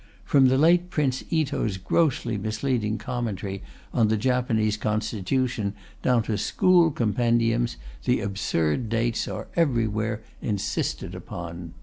From the late Prince Ito's grossly misleading Commentary on the Japanese Constitution down to school compendiums, the absurd dates are everywhere insisted upon.